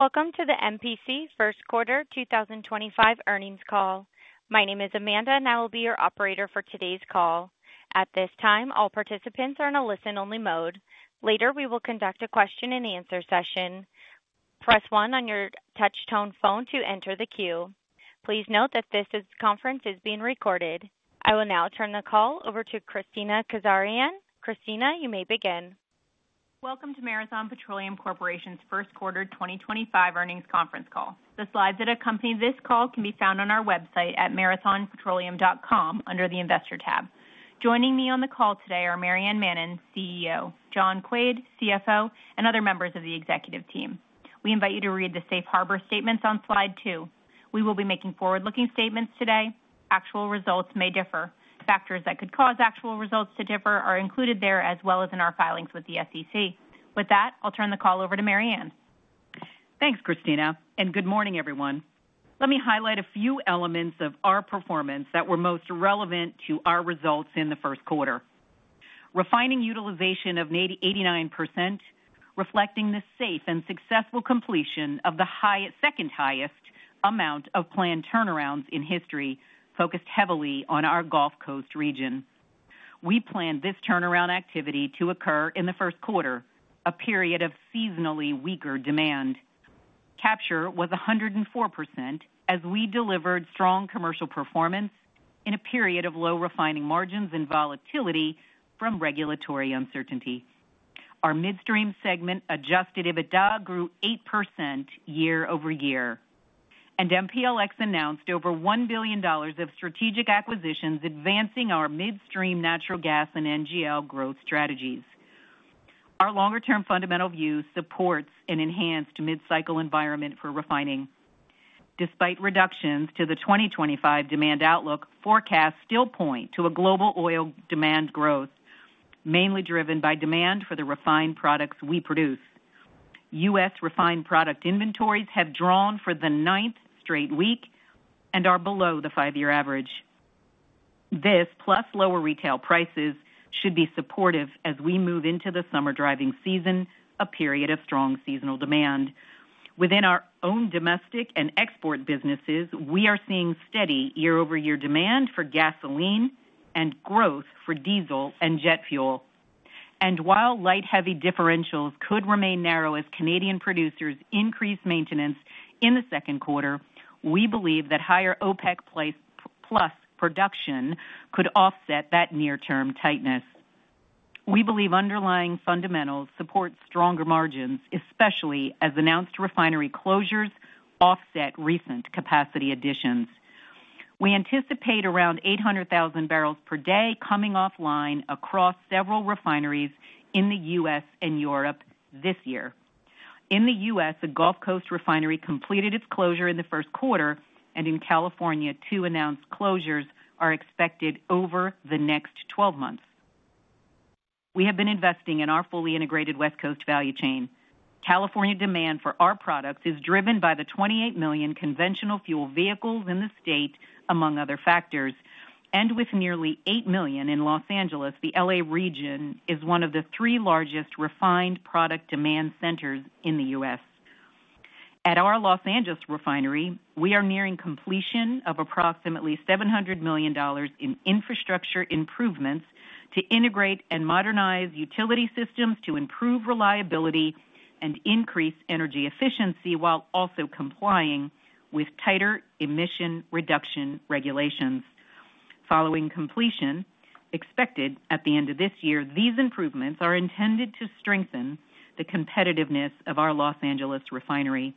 Welcome to the MPC first quarter 2025 earnings call. My name is Amanda and I will be your operator for today's call. At this time all participants are in a listen only mode. Later we will conduct a question-and-answer session. Press one on your touch tone phone to enter the queue. Please note that this conference is being recorded. I will now turn the call over to Kristina Kazarian. Kristina, you may begin. Welcome to Marathon Petroleum Corporation's first quarter 2025 earnings conference call. The slides that accompany this call can be found on our website at marathonpetroleum.com under the Investor tab. Joining me on the call today are Maryann Mannen, CEO, John Quaid, CFO, and other members of the Executive team. We invite you to read the Safe Harbor statements on slide 2. We will be making forward-looking statements today. Actual results may differ. Factors that could cause actual results to differ are included there as well as in our filings with the SEC. With that, I'll turn the call over to Maryann. Thanks, Kristina, and good morning everyone. Let me highlight a few elements of our performance that were most relevant to our results in the first quarter. Refining utilization of 89% reflecting the safe and successful completion of the second highest amount of planned turnarounds in history focused heavily on our Gulf Coast region. We planned this turnaround activity to occur in the first quarter, a period of seasonally weaker demand. Capture was 104% as we delivered strong commercial performance in a period of low refining margins and volatility from regulatory uncertainty. Our midstream segment adjusted EBITDA grew 8% year-over-year and MPLX announced over $1 billion of strategic acquisitions advancing our midstream natural gas and NGL growth strategies. Our longer-term fundamental view supports an enhanced mid cycle environment for refining. Despite reductions to the 2025 demand, outlook forecasts still point to a global oil demand growth mainly driven by demand for the refined products we produce. U.S. refined product inventories have drawn for the ninth straight week and are below the five year average. This plus lower retail prices should be supportive as we move into the summer driving season, a period of strong seasonal demand within our own domestic and export businesses. We are seeing steady year-over-year demand for gasoline and growth for diesel and jet fuel. While light heavy differentials could remain narrow as Canadian producers increase maintenance in the second quarter, we believe that higher OPEC+ production could offset that near term tightness. We believe underlying fundamentals support stronger margins, especially as announced refinery closures offset recent capacity additions. We anticipate around 800,000 barrels per day coming offline across several refineries in the U.S. and Europe this year. In the U.S., the Gulf Coast refinery completed its closure in the first quarter and in California, two announced closures are expected over the next 12 months. We have been investing in our fully integrated West Coast value chain. California demand for our products is driven by the 28 million conventional fuel vehicles in the state, among other factors, and with nearly 8 million in Los Angeles. The L.A. region is one of the three largest refined product demand centers in the U.S. At our Los Angeles refinery we are nearing completion of approximately $700 million in infrastructure improvements to integrate and modernize utility systems to improve reliability and increase energy efficiency while also complying with tighter emission reduction regulations. Following completion expected at the end of this year, these improvements are intended to strengthen the competitiveness of our Los Angeles refinery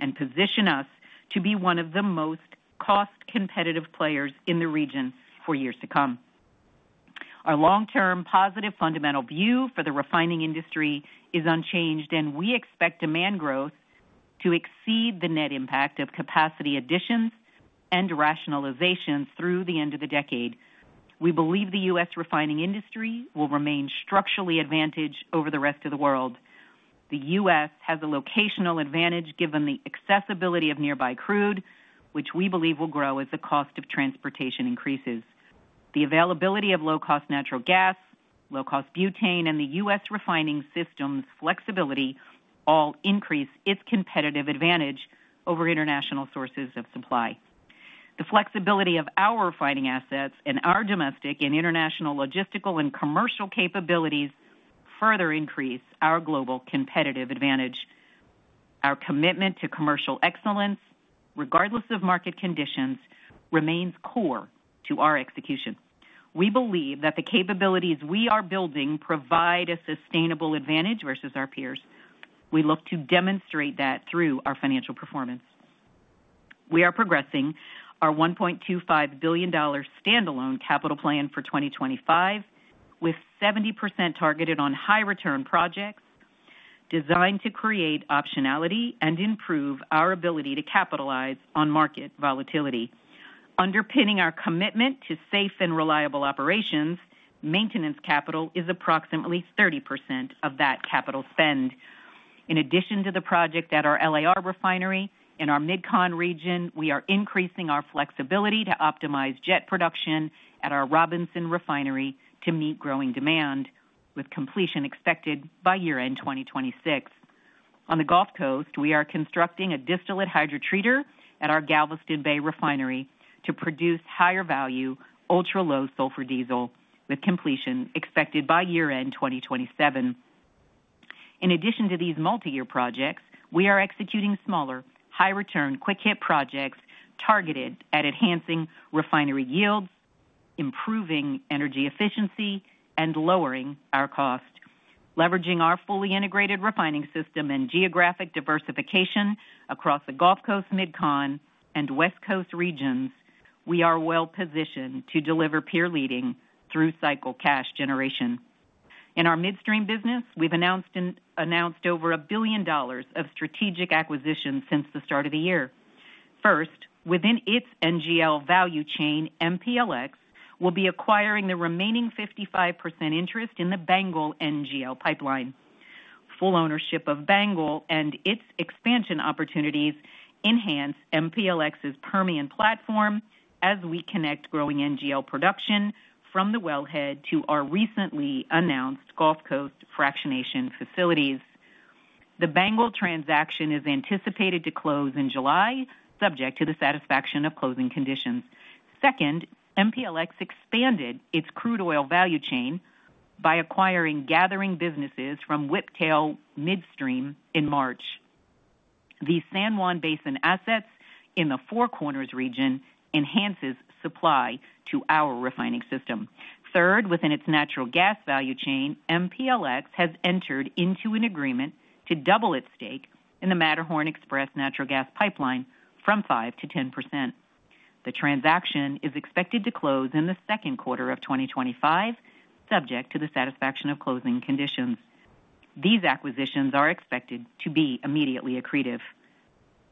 and position us to be one of the most cost competitive players in the region for years to come. Our long-term positive fundamental view for the refining industry is unchanged and we expect demand growth to exceed the net impact of capacity additions and rationalizations through the end of the decade. We believe the U.S. refining industry will remain structurally advantaged over the rest of the world. The U.S. has a locational advantage given the accessibility of nearby crude which we believe will grow as the cost of transportation increases. The availability of low cost natural gas, low cost butane, and the U.S. refining system's flexibility all increase its competitive advantage over international sources of supply. The flexibility of our refining assets and our domestic and international logistical and commercial capabilities further increase our global competitive advantage. Our commitment to commercial excellence regardless of market conditions remains core to our execution. We believe that the capabilities we are building provide a sustainable advantage versus our peers. We look to demonstrate that through our financial performance. We are progressing our $1.25 billion standalone capital plan for 2025 with 70% targeted on high return projects designed to create optionality and improve our ability to capitalize on market volatility, underpinning our commitment to safe and reliable operations. Maintenance capital is approximately 30% of that capital spend. In addition to the project at our LAR refinery in our Mid Con region, we are increasing our flexibility to optimize jet production at our Robinson refinery to meet growing demand with completion expected by year end 2026. On the Gulf Coast, we are constructing a distillate hydrotreater at our Galveston Bay refinery to produce higher value ultra low sulfur diesel with completion expected by year end 2027. In addition to these multiyear projects, we are executing smaller high return quick hit projects targeted at enhancing refinery yields, improving energy efficiency and lowering our cost. Leveraging our fully integrated refining system and geographic diversification across the Gulf Coast, Mid Con and West Coast regions, we are well positioned to deliver peer leading through cycle cash generation in our midstream business. We've announced over $1 billion of strategic acquisitions since the start of the year. First, within its NGL value chain, MPLX will be acquiring the remaining 55% interest in the BANGL NGL pipeline. Full ownership of BANGL and its expansion opportunities enhance MPLX's Permian platform as we connect growing NGL production from the wellhead to our recently announced Gulf Coast fractionation facilities. The BANGL transaction is anticipated to close in July, subject to the satisfaction of closing conditions. Second, MPLX expanded its crude oil value chain by acquiring gathering businesses from Whiptail Midstream in March. The San Juan Basin assets in the Four Corners region enhance supply to our refining system. Third, within its natural gas value chain, MPLX has entered into an agreement to double its stake in the Matterhorn Express natural gas pipeline from 5%-10%. The transaction is expected to close in the second quarter of 2025. Subject to the satisfaction of closing conditions, these acquisitions are expected to be immediately accretive.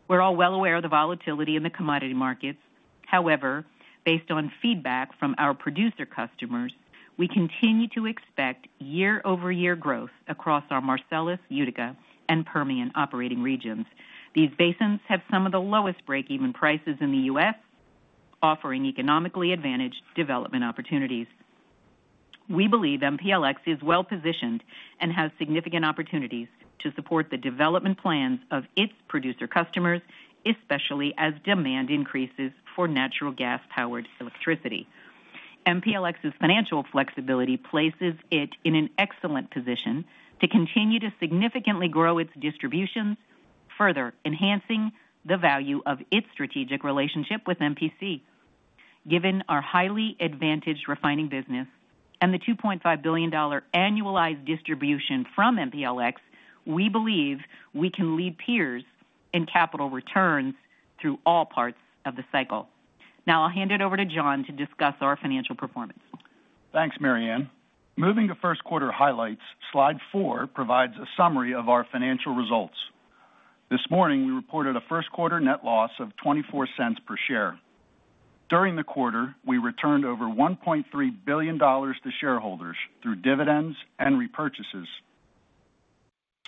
We're all well aware of the volatility in the commodity markets. However, based on feedback from our producer customers, we continue to expect year-over-year growth across our Marcellus, Utica and Permian operating regions. These basins have some of the lowest breakeven prices in the US, offering economically advantaged development opportunities. We believe MPLX is well positioned and has significant opportunities to support the development plans of its producer customers, especially as demand increases for natural gas powered electricity. MPLX's financial flexibility places it in an excellent position to continue to significantly grow its distributions, further enhancing the value of its strategic relationship with MPC. Given our highly advantaged refining business and the $2.5 billion annualized distribution from MPLX, we believe we can lead peers in capital returns through all parts of the cycle. Now I'll hand it over to John to discuss our financial performance. Thanks Maryann. Moving to first quarter highlights, slide 4 provides a summary of our financial results. This morning we reported a first quarter net loss of $0.24 per share. During the quarter we returned over $1.3 billion to shareholders through dividends and repurchases.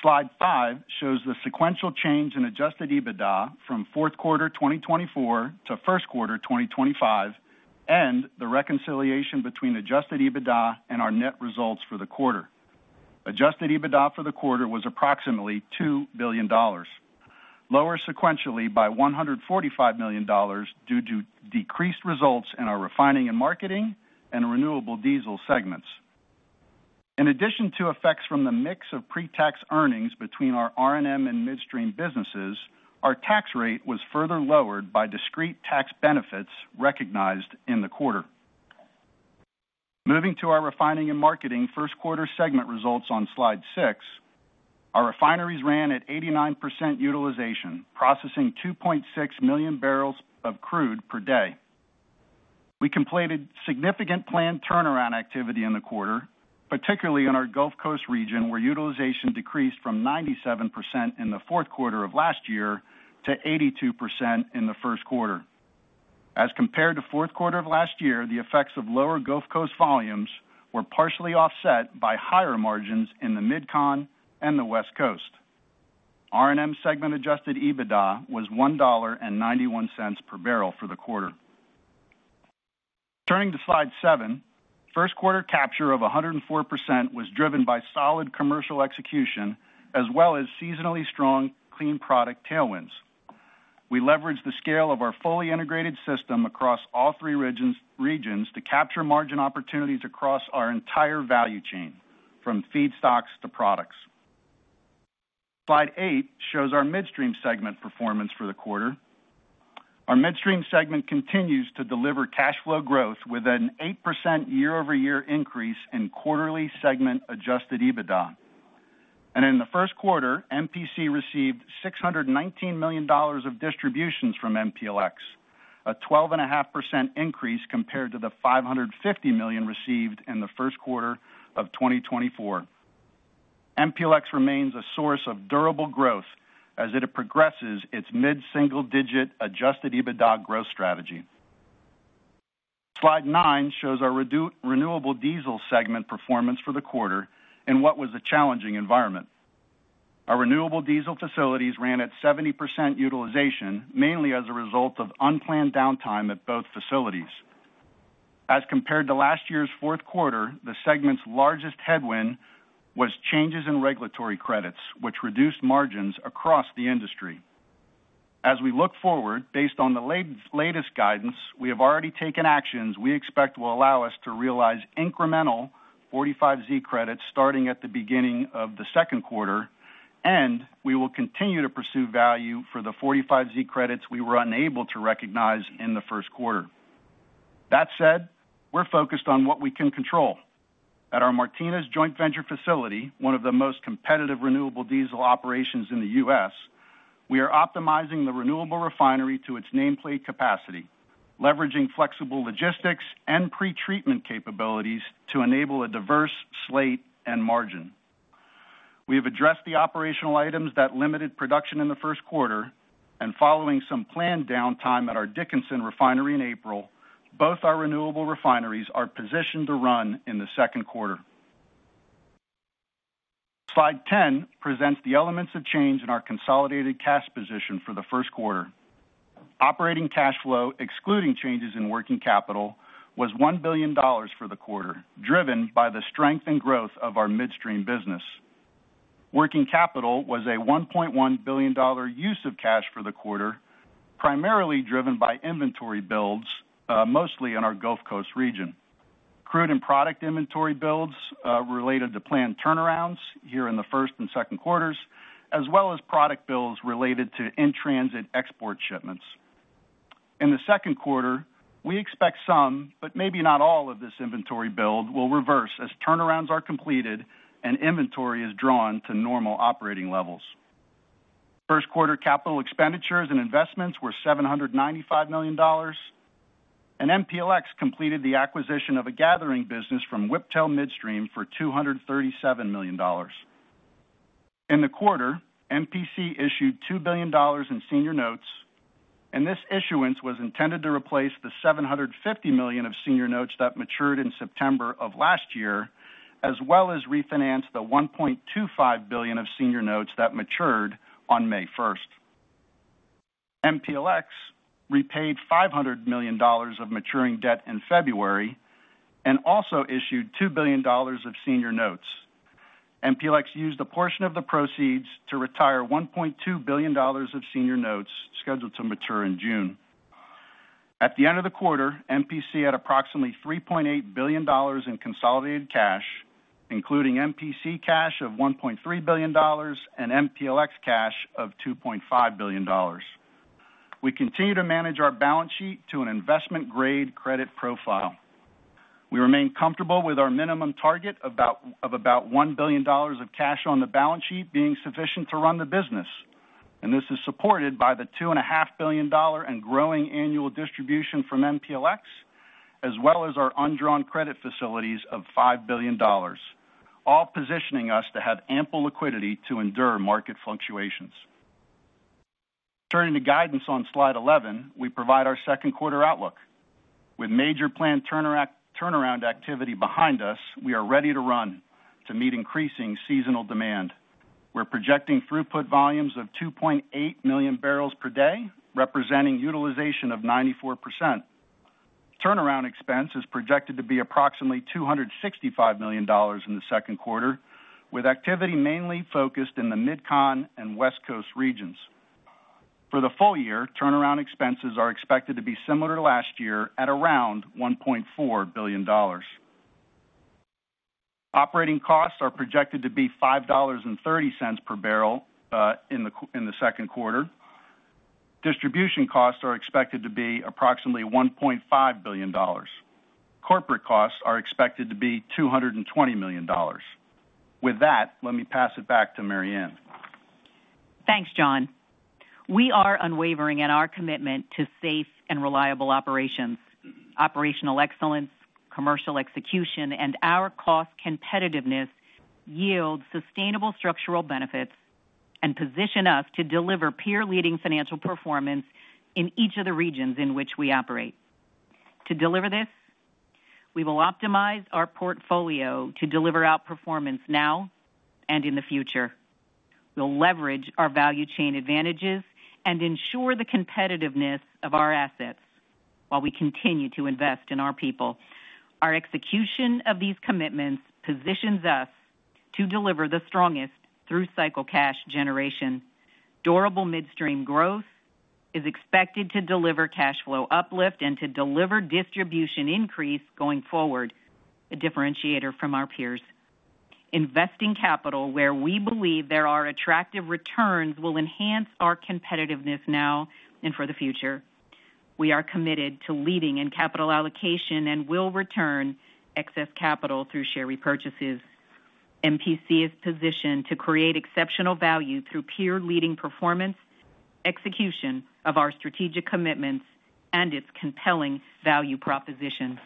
Slide 5 shows the sequential change in adjusted EBITDA from fourth quarter 2024 to first quarter 2025 and the reconciliation between adjusted EBITDA and our net results for the quarter. Adjusted EBITDA for the quarter was approximately $2 billion, lower sequentially by $145 million due to decreased results in our refining and marketing and renewable diesel segments. In addition to effects from the mix of pretax earnings between our R&M and midstream businesses. Our tax rate was further lowered by discrete tax benefits recognized in the quarter. Moving to our refining and marketing first quarter segment results on Slide 6, our refineries ran at 89% utilization processing 2.6 million barrels of crude per day. We completed significant planned turnaround activity in the quarter, particularly in our Gulf Coast region where utilization decreased from 97% in the fourth quarter of last year to 82% in the first quarter as compared to fourth quarter of last year. The effects of lower Gulf Coast volumes were partially offset by higher margins in the Mid Con and the West Coast. RNM segment adjusted EBITDA was $1.91 per barrel for the quarter. Turning to Slide 7, first quarter capture of 104% was driven by solid commercial execution as well as seasonally strong clean product tailwinds. We leveraged the scale of our fully integrated system across all three regions to capture margin opportunities across our entire value chain from feedstocks to products. Slide 8 shows our midstream segment performance for the quarter. Our midstream segment continues to deliver cash flow growth with an 8% year-over-year increase in quarterly segment adjusted EBITDA and in the first quarter MPC received $619 million of distributions from MPLX, a 12.5% increase compared to the $550 million received in the first quarter of 2024. MPLX remains a source of durable growth as it progresses its mid single-digit adjusted EBITDA growth strategy. Slide 9 shows our renewable diesel segment performance for the quarter in what was a challenging environment. Our renewable diesel facilities ran at 70% utilization mainly as a result of unplanned downtime at both facilities as compared to last year's fourth quarter. The segment's largest headwind was changes in regulatory credits which reduced margins across the industry. As we look forward, based on the latest guidance we have already taken actions we expect will allow us to realize incremental 45Z credits starting at the beginning of the second quarter and we will continue to pursue value for the 45Z credits we were unable to recognize in the first quarter. That said, we're focused on what we can control at our Martinez Joint Venture Facility, one of the most competitive renewable diesel operations in the U.S. We are optimizing the renewable refinery to its nameplate capacity, leveraging flexible logistics and pretreatment capabilities to enable a diverse slate and margin. We have addressed the operational items that limited production in the first quarter and following some planned downtime at our Dickinson refinery in April, both our renewable refineries are positioned to run in the second quarter. Slide 10 presents the elements of change in our consolidated cash position for the first quarter. Operating cash flow, excluding changes in working capital, was $1 billion for the quarter, driven by the strength and growth of our midstream business. Working capital was a $1.1 billion use of cash for the quarter, primarily driven by inventory builds, mostly in our Gulf Coast region crude and product inventory builds related to planned turnarounds here in the first and second quarters as well as product builds related to in transit export shipments in the second quarter. We expect some, but maybe not all of this inventory build will reverse as turnarounds are completed and inventory is drawn to normal operating levels. First quarter capital expenditures and investments were $795 million and MPLX completed the acquisition of a gathering business from Whiptail Midstream for $237 million. In the quarter, MPC issued $2 billion in senior notes and this issuance was intended to replace the $750 million of senior notes that matured in September of last year as well as refinance the $1.25 billion of senior notes that matured on May 1. MPLX repaid $500 million of maturing debt in February and also issued $2 billion of senior notes. MPLX used a portion of the proceeds to retire $1.2 billion of senior notes scheduled to mature in June. At the end of the quarter, MPC had approximately $3.8 billion in consolidated cash, including MPC cash of $1.3 billion and MPLX cash of $2.5 billion. We continue to manage our balance sheet to an investment grade credit profile. We remain comfortable with our minimum target of about $1 billion of cash on the balance sheet being sufficient to run the business and this is supported by the $2.5 billion and growing annual distribution from MPLX as well as our undrawn credit facilities of $5 billion, all positioning us to have ample liquidity to endure market fluctuations. Turning to guidance on Slide 11, we provide our second quarter outlook. With major planned turnaround activity behind us, we are ready to run to meet increasing seasonal demand. We're projecting throughput volumes of 2.8 million barrels per day, representing utilization of 94%. Turnaround expense is projected to be approximately $265 million in the second quarter with activity mainly focused in the Mid Con and West Coast regions. For the full year, turnaround expenses are expected to be similar to last year at around $1.4 billion. Operating costs are projected to be $5.3 per barrel in the second quarter. Distribution costs are expected to be approximately $1.5 billion. Corporate costs are expected to be $220 million. With that, let me pass it back to Maryann. Thanks John. We are unwavering in our commitment to safe and reliable operations. Operational excellence, commercial execution, and our cost competitiveness yield sustainable structural benefits and position us to deliver peer-leading financial performance in each of the regions in which we operate. To deliver this, we will optimize our portfolio to deliver outperformance now and in the future. We'll leverage our value chain advantages and ensure the competitiveness of our assets while we continue to invest in our people. Our execution of these commitments positions us to deliver the strongest through-cycle cash generation. Durable midstream growth is expected to deliver cash flow uplift and to deliver distribution increase going forward. A differentiator from our peers. Investing capital where we believe there are attractive returns will enhance our competitiveness now and for the future. We are committed to leading in capital allocation and will return excess capital through share repurchases. MPC is positioned to create exceptional value through peer leading performance execution of our strategic commitments and its compelling value proposition.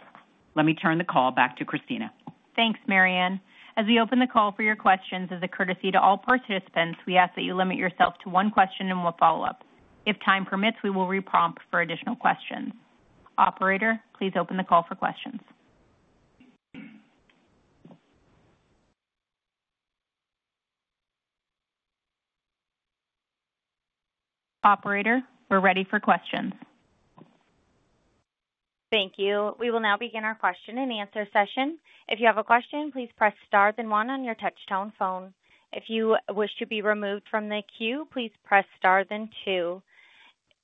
Let me turn the call back to Kristina. Thanks Maryann. As we open the call for your questions, as a courtesy to all participants we ask that you limit yourself to one question and one follow up. If time permits, we will re prompt for additional questions. Operator, please open the call for questions. Operator, we're ready for questions. Thank you. We will now begin our question and answer session. If you have a question please press star then one on your touch tone phone. If you wish to be removed from the queue, please press star then two.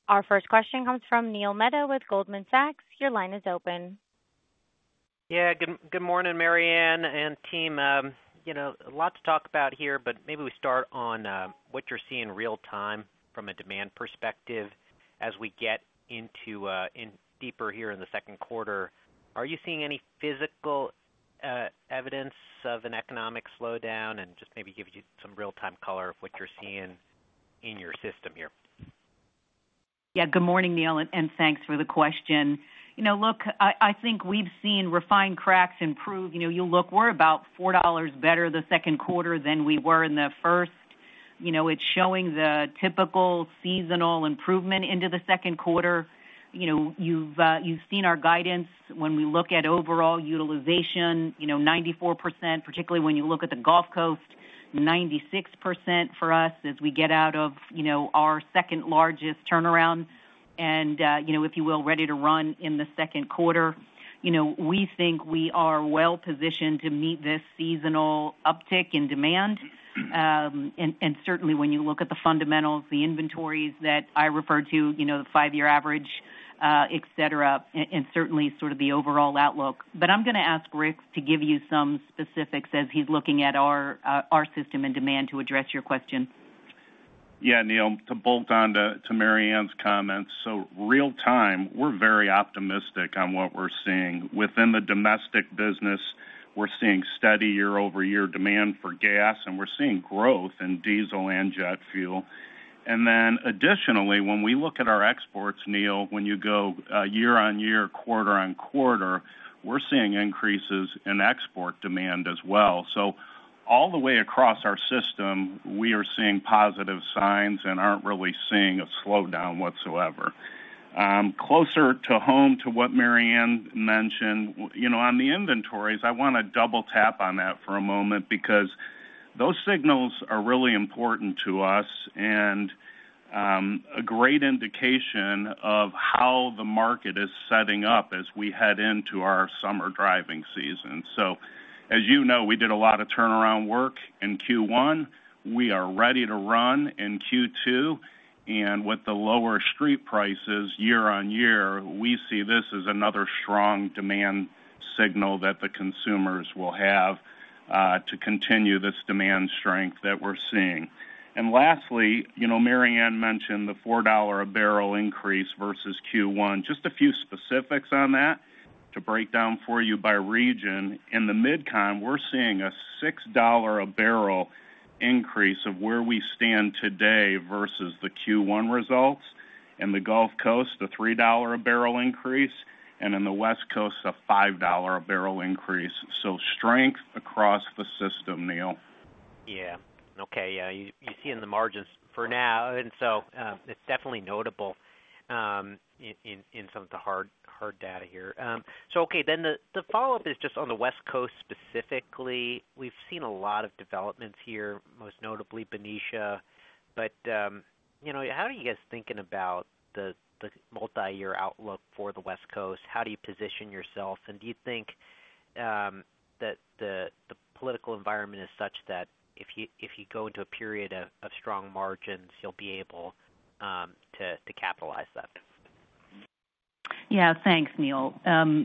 Our first question comes from Neil Mehta with Goldman Sachs. Your line is open. Yeah, good morning Maryann and team. A lot to talk about here but maybe we start on what you're seeing real time from a demand perspective. As we get into deeper here in the second quarter, are you seeing any physical evidence of an economic slowdown and just maybe give you some real time color of what you're seeing in your system here? Yeah, good morning Neil and thanks for the question. You know, look, I think we've seen refined cracks improve. You know, you look we're about $4 better the second quarter than we were in the first. You know, it's showing the typical seasonal improvement into the second quarter. You know, you've seen our guidance when we look at overall utilization, you know, 94% particularly when you look at the Gulf Coast, 96% for us as we get out of, you know, our second largest turnaround and, you know, if you will, ready to run in the second quarter, you know, we think we are well positioned to meet this seasonal uptick in demand and certainly when you look at the fundamentals, the inventories that I refer to, you know, the five year average, et cetera, and certainly sort of the overall outlook. I'm going to ask Rick to give you some specifics as he's looking at our system and demand to address your question. Yes, Neil, to bolt onto Maryann's comments. Real time we're very optimistic on what we're seeing within the domestic business. We're seeing steady year-over-year demand for gas and we're seeing growth in diesel and jet fuel. Additionally, when we look at our exports, Neil, when you go year-on-year, quarter-on-quarter, we're seeing increases in export demand as well. All the way across our system we are seeing positive signs and aren't really seeing a slowdown whatsoever. Closer to home to what Maryann mentioned, you know, on the inventories, I want to double tap on that for a moment because those signals are really important to us and a great indication of how the market is setting up as we head into our summer driving season. As you know, we did a lot of turnaround work in Q1. We are ready to run in Q2 and with the lower street prices year-on-year, we see this as another strong demand signal that the consumers will have to continue this demand strength that we're seeing. Lastly, you know, Maryann mentioned the $4 a barrel increase versus Q1. Just a few specifics on that to break down for you by region. In the Mid Con we're seeing a $6 a barrel increase of where we stand today versus the Q1 results and the Gulf Coast the $3 a barrel increase and in the West Coast a $5 a barrel increase. Strength across the system. Neil? Yeah, okay, you see in the margins for now and so it's definitely notable in some of the hard data here. Okay, then the follow up is just on the West Coast specifically. We've seen a lot of developments here, most notably Benicia, you know, how are you guys thinking about the multi-year outlook for the West Coast? How do you position yourself? Do you think that the political environment is such that if you go into a period of strong margins, you'll be able to capitalize on that? Yeah, thanks, Neil.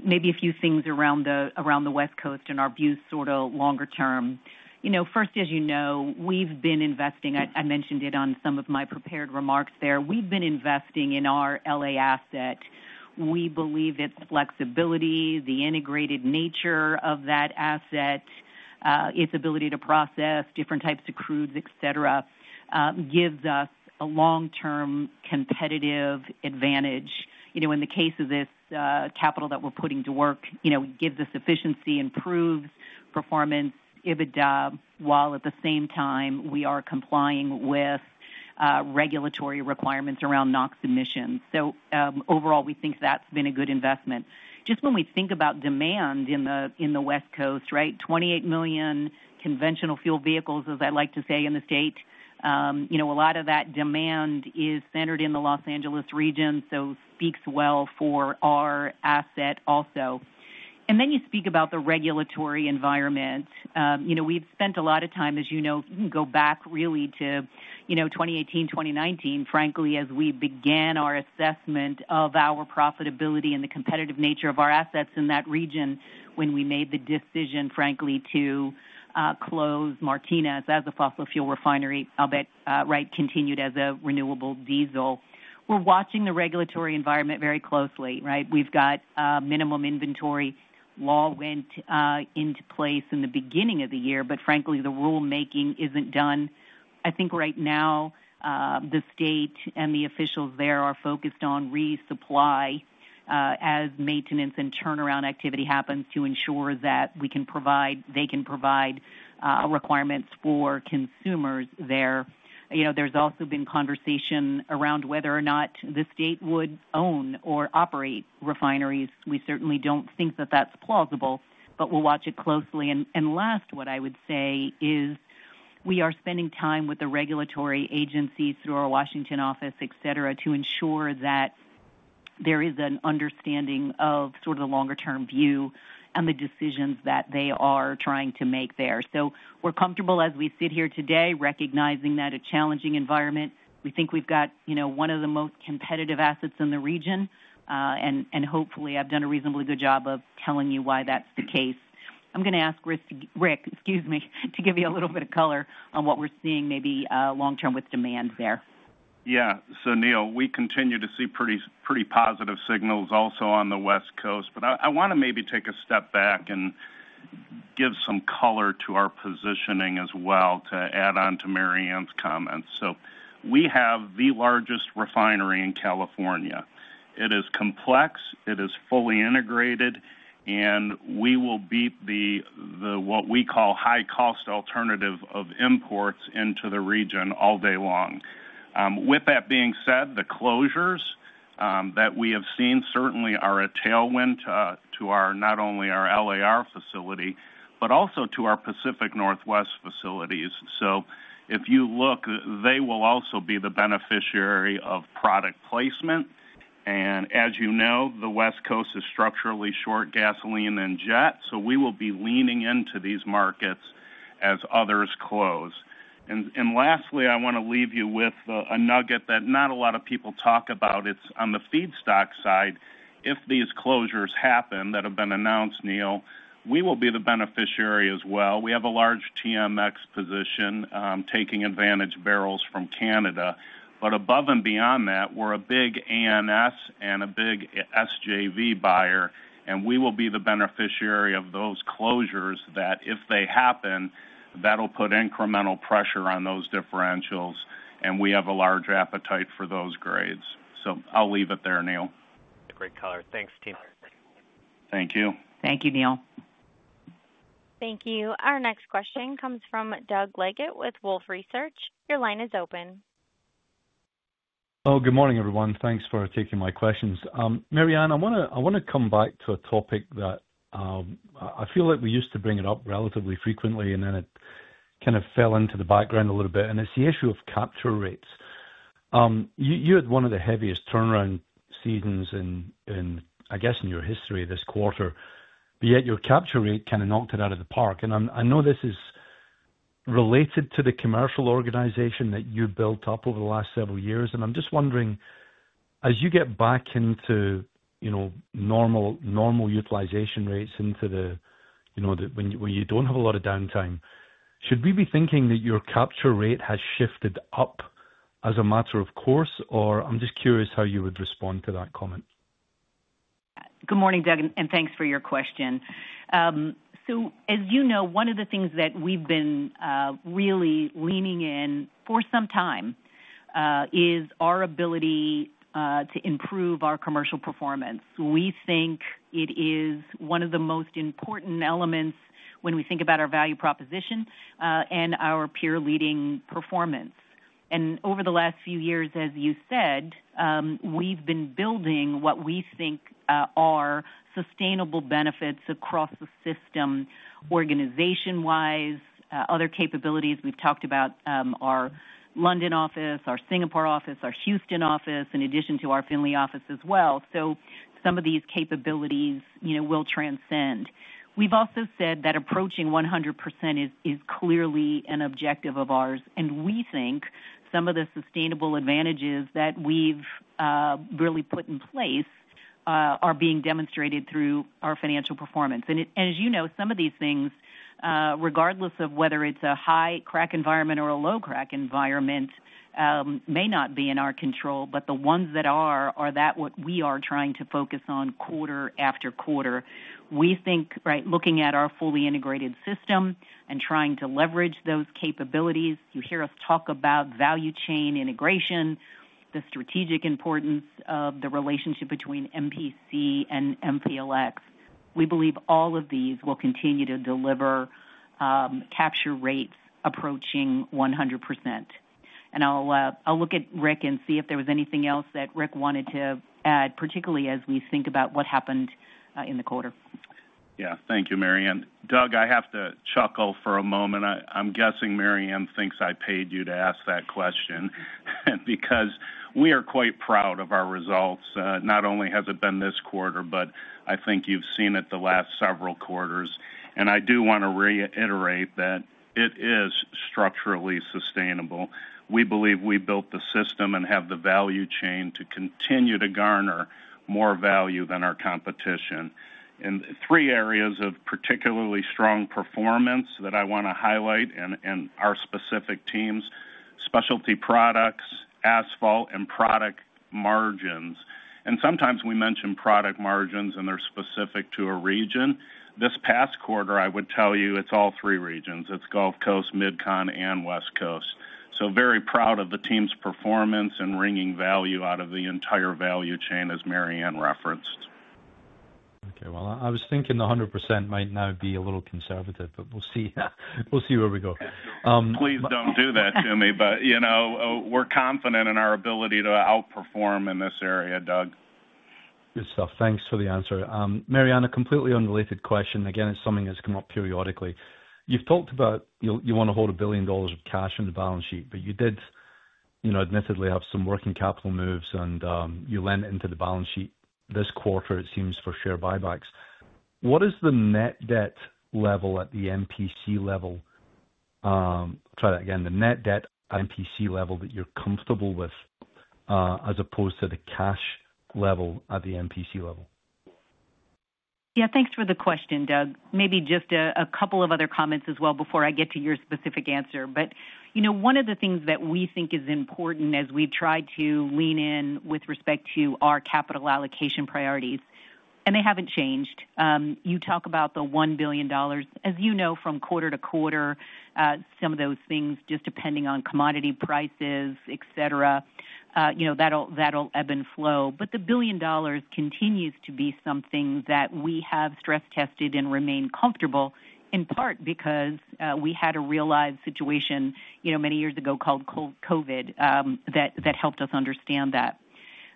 Maybe a few things around the West Coast and our views sort of longer-term. You know, first, as you know, we've been investing, I mentioned it on some of my prepared remarks there. We've been investing in our L.A. asset. We believe its flexibility, the integrated nature of that asset, its ability to process different types of crudes, et cetera, gives us a long-term competitive advantage. You know, in the case of this capital that we're putting to work, you know, gives us efficiency, improves performance, EBITDA, while at the same time we are complying with regulatory requirements around NOx emissions. Overall we think that's been a good investment. Just when we think about demand in the West Coast, right, 28 million conventional fuel vehicles, as I like to say, in the state, you know, a lot of that demand is centered in the Los Angeles region, so speaks well for our asset also. You speak about the regulatory environment. You know, we've spent a lot of time as, you know, go back really to, you know, 2018, 2019, frankly, as we began our assessment of our profitability and the competitive nature of our assets in that region when we made the decision, frankly, to close Martinez as a fossil fuel refinery. I'll bet. Right. Continued as a renewable diesel. We're watching the regulatory environment very closely. Right? We've got minimum inventory law went into place in the beginning of the year, but frankly the rulemaking isn't done. I think right now the state and the officials there are focused on resupply as maintenance and turnaround activity happens to ensure that we can provide, they can provide requirements for consumers there. You know, there's also been conversation around whether or not the state would own or operate refineries. We certainly don't think that that's plausible, but we'll watch it closely. Last, what I would say is we are spending time with the regulatory agencies through our Washington office, et cetera, to ensure that there is an understanding of sort of the longer term view and the decisions that they are trying to make there. We are comfortable as we sit here today recognizing that a challenging environment. We think we have, you know, one of the most competitive assets in the region. Hopefully I have done a reasonably good job of telling you why that is the case. I am going to ask Rick, excuse me, to give you a little bit of color on what we are seeing maybe long term with demand there. Yes. Neil, we continue to see pretty positive signals also on the West Coast, but I want to maybe take a step back and give some color to our positioning as well to add on to Maryann's comments. We have the largest refinery in California. It is complex, it is fully integrated, and we will beat what we call the high cost alternative of imports into the region all day long. With that being said, the closures that we have seen certainly are a tailwind to not only our LAR facility, but also to our Pacific Northwest facilities. If you look, they will also be the beneficiary of product placement. As you know, the West Coast is structurally short gasoline and jet, so we will be leaning into these markets as others close. Lastly, I want to leave you with a nugget that not a lot of people talk about. It's on the feedstock side. If these closures happen that have been announced, Neil, we will be the beneficiary as well. We have a large TMX position taking advantage barrels from Canada. Above and beyond that, we're a big ANS and a big SJV buyer and we will be the beneficiary of those closures that if they happen, that will put incremental pressure on those differentials and we have a large appetite for those grades. I'll leave it there. Neil. Great color. Thanks, team. Thank you. Thank you, Neil. Thank you. Our next question comes from Doug Leggate with Wolfe Research. Your line is open. Oh, good morning, everyone. Thanks for taking my questions. Maryann, I want to come back to a topic that I feel like we used to bring it up relatively frequently and then it kind of fell into the background a little bit. It is the issue of capture rates. You had one of the heaviest turnaround seasons, I guess, in your history this quarter, but yet your capture rate kind of knocked it out of the park. I know this is related to the commercial organization that you built up over the last several years, and I'm just wondering, as you get back into, you know, normal utilization rates into the, you know, when you do not have a lot of downtime, should we be thinking that your capture rate has shifted up as a matter of course or I'm just curious how you would respond to that comment. Good morning, Doug, and thanks for your question. Thank you. As you know, one of the things that we've been really leaning in for some time is our ability to improve our commercial performance. We think it is one of the most important elements when we think about our value proposition and our peer leading performance. Over the last few years, as you said, we've been building what we think are sustainable benefits across the system, organization wise. Other capabilities. We've talked about our London office, our Singapore office, our Houston office, in addition to our Findlay office as well. Some of these capabilities will transcend. We've also said that approaching 100% is clearly an objective of ours. We think some of the sustainable advantages that we've really put in place are being demonstrated through our financial performance. As you know, some of these things, regardless of whether it's a high crack environment or a low crack environment, may not be in our control. The ones that are, are what we are trying to focus on. Quarter after quarter, we think right. Looking at our fully integrated system and trying to leverage those capabilities. You hear us talk about value chain integration, the strategic importance of the relationship between MPC and MPLX. We believe all of these will continue to deliver capture rates approaching 100%. I will look at Rick and see if there was anything else that Rick wanted to add, particularly as we think about what happened in the quarter. Yeah. Thank you, Maryann. Doug, I have to chuckle for a moment. I'm guessing Maryann thinks I paid you to ask that question because we are quite proud of our results. Not only has it been this quarter, but I think you've seen it the last several quarters. I do want to reiterate that it is structurally sustainable. We believe we built the system and have the value chain to continue to garner more value than our competition. Three areas of particularly strong performance that I want to highlight are our specific teams, specialty products, asphalt, and product margins. Sometimes we mention product margins and they're specific to a region this past quarter. I would tell you it's all three regions. It's Gulf Coast, Mid Con, and West Coast. Very proud of the team's performance and wringing value out of the entire value chain as Maryann referenced. Okay, I was thinking the 100% might now be a little conservative, but we'll see. We'll see where we go. Please don't do that to me. You know, we're confident in our ability to outperform in this area. Doug, Good stuff. Thanks for the answer. Maryann, a completely unrelated question. Again, it's something that's come up periodically. You've talked about you want to hold $1 billion of cash on the balance sheet EBIT, but you did admittedly have some working capital moves and you lent into the balance sheet this quarter, it seems, for share buybacks. What is the net debt level at the MPC level? Try that again. The net debt at MPC level, that. You're comfortable with as opposed to the cash level at the MPC level. Yeah, thanks for the question, Doug. Maybe just a couple of other comments as well before I get to your specific answer. You know, one of the things that we think is important as we tried to lean in with respect to our capital allocation priorities and they haven't changed. You talk about the $1 billion as you know, from quarter-to-quarter, some of those things just depending on commodity prices, et cetera, you know, that'll ebb and flow. The $1 billion continues to be something that we have stress tested and remain comfortable in part because we had a realized situation, you know, many years ago called COVID that helped us understand that.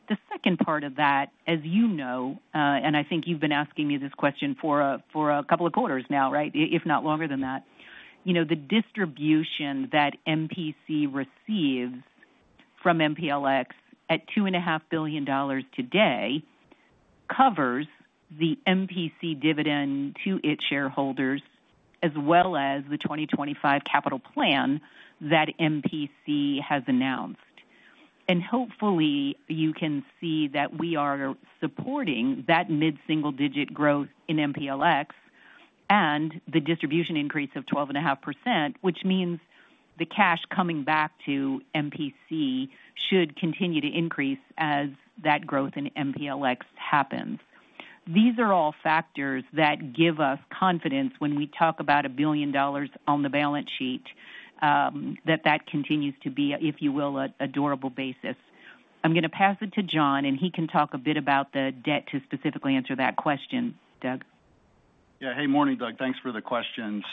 The second part of that, as you know, and I think you've been asking me this question for a couple of quarters now, right? If not longer than that, you know, the distribution that MPC receives from MPLX at $2.5 billion today covers the MPC dividend to its shareholders as well as the 2025 capital plan that MPC has announced. Hopefully you can see that we are supporting that mid single digit growth in MPLX and the distribution increase of 12.5%, which means the cash coming back to MPC should continue to increase as that growth in MPLX happens. These are all factors that give us confidence when we talk about a billion dollars on the balance sheet, that that continues to be, if you will, a durable basis. I'm going to pass it to John and he can talk a bit about the debt to specifically answer that question. Doug. Yeah. Hey, morning Doug. Thanks for the question.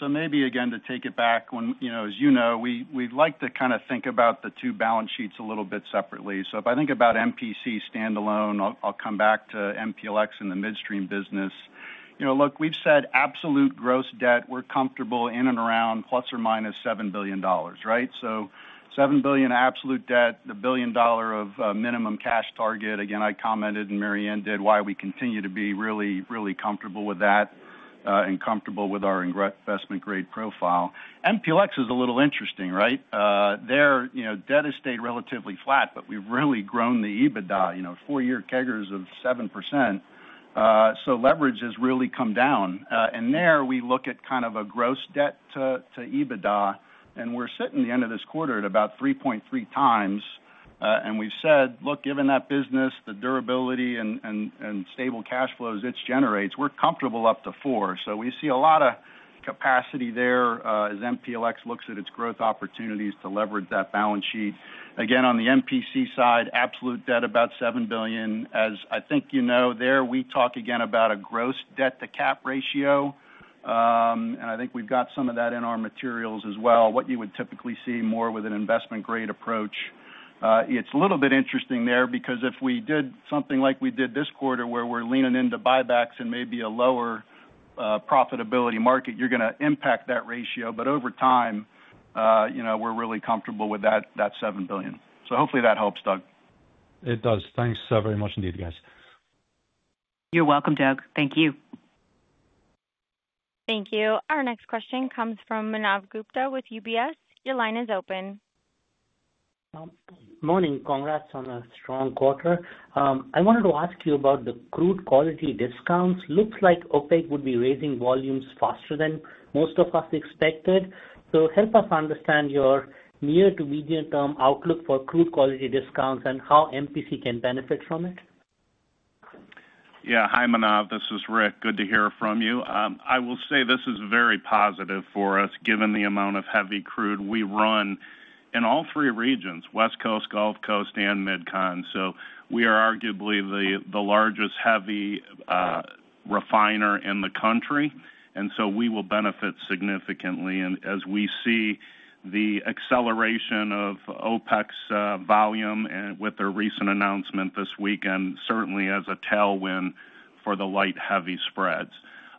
Maybe again to take it back when you know, as you know, we'd like to kind of think about the two balance sheets a little bit separately. If I think about MPC standalone, I'll come back to MPLX in the midstream business. You know, look, we've said absolute gross debt. We're comfortable in and around ±$7 billion. Right. So $7 billion absolute debt, the $1 billion of minimum cash target. Again, I commented and Maryann did, why we continue to be really, really comfortable with that and comfortable with our investment grade profile. MPLX is a little interesting right there. You know, debt has stayed relatively flat, but we've really grown the EBITDA, you know, four year CAGRs of 7%. Leverage has really come down and there we look at kind of a gross debt to EBITDA and we're sitting the end of this quarter at about 3.3x. We've said look, given that business, the durability and stable cash flows it generates, we're comfortable up to 4. We see a lot of capacity there as MPLX looks at its growth opportunities to leverage that balance sheet. Again on the MPC side, absolute debt about $7 billion. As I think you know there we talk again about a gross debt to cap ratio and I think we've got some of that in our materials as well. What you would typically see more with an investment grade approach. It's a little bit interesting there because if we did something like we did this quarter where we're leaning into buybacks and maybe a lower profitability market, you're going to impact that ratio. Over time, you know, we're really comfortable with that $7 billion. Hopefully that helps. Doug. It does. Thanks very much indeed, guys. You're welcome, Doug. Thank you. Thank you. Our next question comes from Manav Gupta with UBS. Your line is open. Morning. Congrats on a strong quarter. I wanted to ask you about the crude quality discounts. Looks like OPEC would be raising volumes faster than most of us expected. Help us understand your near to medium term outlook for crude quality discounts and how MPC can benefit from it. Yeah. Hi Manav, this is Rick. Good to hear from you. I will say this is very positive for us given the amount of heavy crude we run in all three regions, West Coast, Gulf Coast and Mid Con. We are arguably the largest heavy refiner in the country and we will benefit significantly as we see the acceleration of OPEC's volume with their recent announcement this weekend, certainly as a tailwind for the light heavy spreads.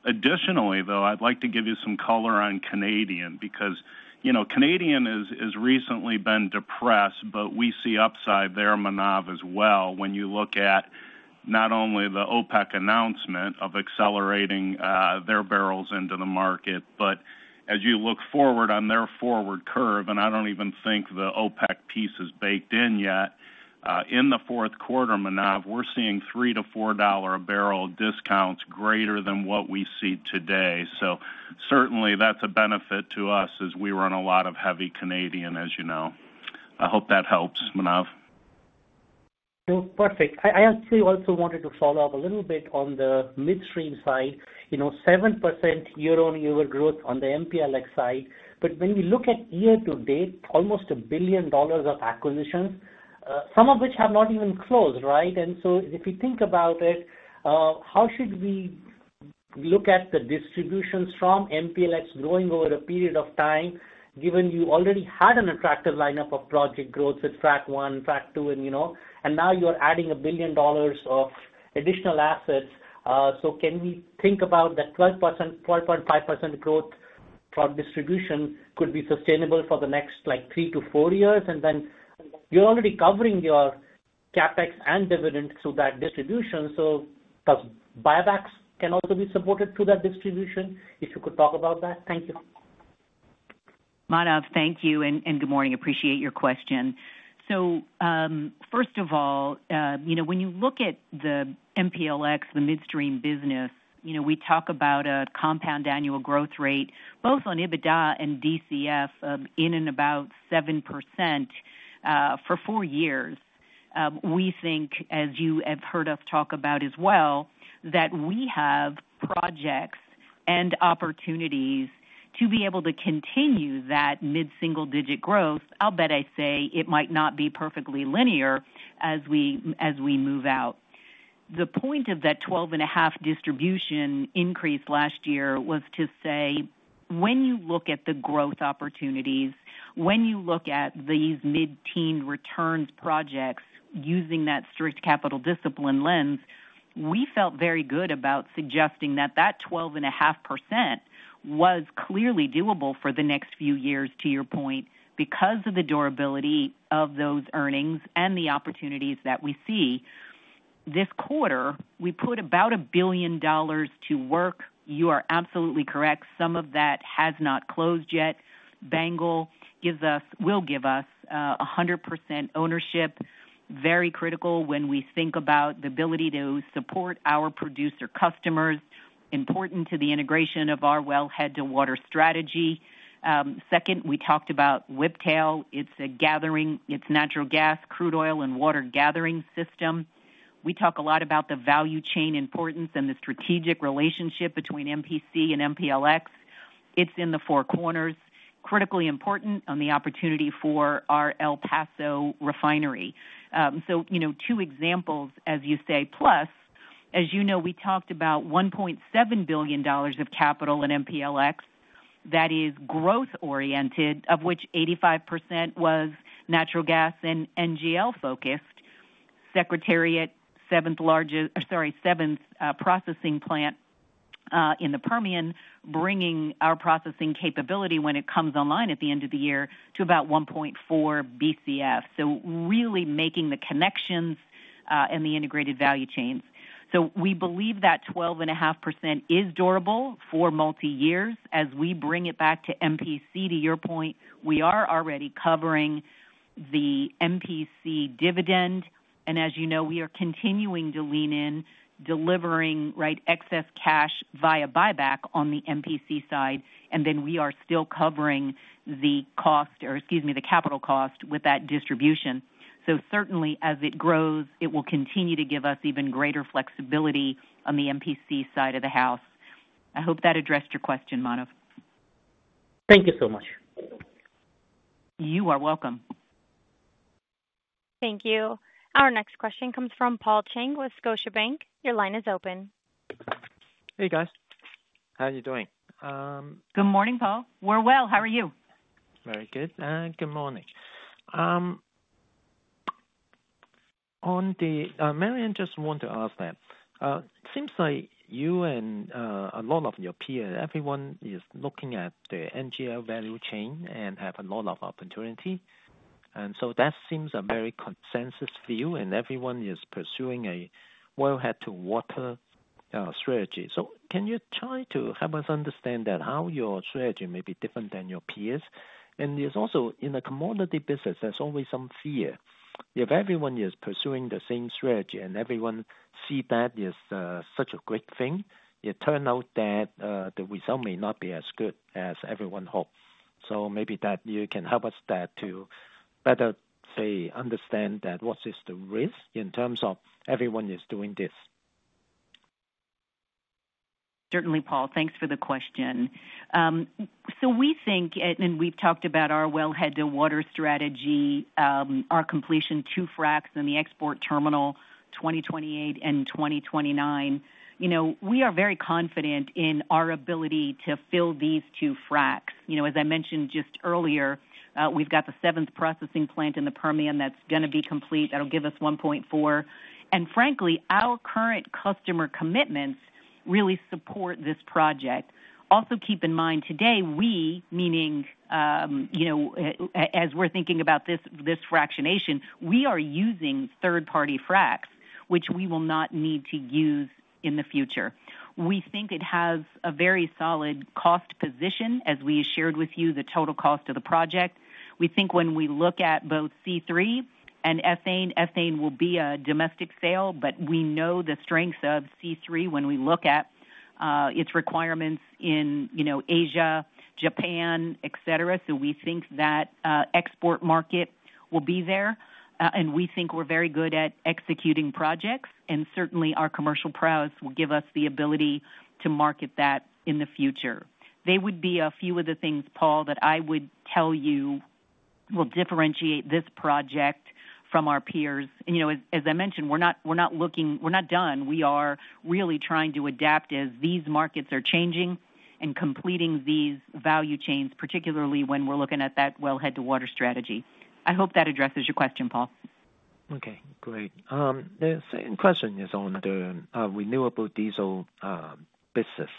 Additionally, though, I'd like to give you some color on Canadian because, you know, Canadian has recently been depressed. We see upside there, Manav, as well. When you look at not only the OPEC announcement of accelerating their barrels into the market, but as you look forward on their forward curve and I do not even think the OPEC piece is baked in yet in the fourth quarter, Manav, we are seeing $3-$4 a barrel discounts greater than what we see today. Certainly that is a benefit to us as we run a lot of heavy Canadian, as you know. I hope that helps, Manav. Perfect. I actually also wanted to follow up a little bit on the midstream side. 7% year-on-year growth on the MPLX side. But when we look at year to date, almost $1 billion of acquisitions, some of which have not even closed. Right. If you think about it, how should we look at the distributions from MPLX growing over a period of time? Given you already had an attractive lineup of project growth with frac1, frac2 and you know, and now you're adding $1 billion of additional assets. Can we think about that? 12.5% growth from distribution could be sustainable for the next like three to four years and then you're already covering your CapEx and dividend through that distribution. Buybacks can also be supported through that distribution. If you could talk about that. Thank you. Manav. Thank you and good morning. Appreciate your question. First of all, you know, when you look at the MPLX, the midstream business, you know we talk about a compound annual growth rate both on EBITDA and DCF in and about 7% for four years. We think, as you have heard us talk about as well, that we have projects and opportunities to be able to continue that mid single digit growth. I'll bet I say it might not be perfectly linear as we move out. The point of that 12.5% distribution increase last year was to say when you look at the growth opportunities, when you look at these mid teen returns projects using that strict capital discipline lens, we felt very good about suggesting that that 12.5% was clearly doable for the next few years. To your point, because of the durability of those earnings and the opportunities that we see this quarter, we put about $1 billion to work. You are absolutely correct. Some of that has not closed yet. BANGL gives us, will give us 100% ownership. Very critical when we think about the ability to support our producer customers. Important to the integration of our well head to water strategy. Second, we talked about Whiptail. It is a gathering. It is natural gas, crude oil and water gathering system. We talk a lot about the value chain importance and the strategic relationship between MPC and MPLX. It is in the Four Corners, critically important on the opportunity for our El Paso refinery. You know, two examples as you say. Plus as you know we talked about $1.7 billion of capital in MPLX that is growth oriented of which 85% was natural gas and NGL focused. Secretariat, seventh largest, sorry seventh processing plant in the Permian. Bringing our processing capability when it comes online at the end of the year to about 1.4 BCF. Really making the connections and the integrated value chains. We believe that 12.5% is durable for multi years as we bring it back to MPC. To your point, we are already covering the MPC dividend and as you know, we are continuing to lean in delivering right. Excess cash via buyback on the MPC side and then we are still covering the cost, or excuse me, the capital cost with that distribution. Certainly as it grows it will continue to give us even greater flexibility on the MPC side of the house.I hope that addressed your question. Manav, Thank you so much. You are welcome. Thank you. Our next question comes from Paul Cheng with Scotiabank. Your line is open. Hey guys, how are you doing? Good morning Paul. We're well, how are you? Very good. Good morning. Maryann. Just want to ask that it seems like you and a lot of your peers, everyone is looking at the NGL value chain and have a lot of opportunity. That seems a very consensus view and everyone is pursuing a well head to water strategy. Can you try to help us understand that how your strategy may be different than your peers? There is also in a commodity business always some fear if everyone is pursuing the same strategy and everyone see that is such a great thing. It turned out that the result may not be as good as everyone hoped. Maybe you can help us to better, say, understand what is the risk in terms of everyone is doing this. Certainly, Paul, thanks for the question. We think, and we've talked about our well head to water strategy, our completion, 2 fracs in the export terminal, 2028 and 2029. You know, we are very confident in our ability to fill these 2 fracs. You know, as I mentioned just earlier, we've got the seventh processing plant in the Permian that's going to be complete. That will give us 1.4. Frankly, our current customer commitments really support this project. Also keep in mind today we, meaning, you know, as we're thinking about this fractionation, we are using third party fracs which we will not need to use in the future. We think it has a very solid cost position. As we shared with you the total cost of the project. We think when we look at both C3 and ethane, ethane will be a domestic sale but we know the strength of C3 when we look at its requirements in Asia, Japan, et cetera. We think that export market will be there and we think we're very good at executing projects and certainly our commercial prowess will give us the ability to market that in the future. They would be a few of the things, Paul, that I would tell you will differentiate this project from our peers. As I mentioned, we're not looking, we're not done. We are really trying to adapt as these markets are changing and completing these value chains, particularly when we're looking at that well head to water strategy. I hope that addresses your question, Paul. Okay, great. The second question is on the renewable diesel business.